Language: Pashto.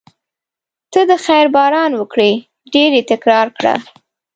ته د خیر باران وکړې ډېر یې تکرار کړه.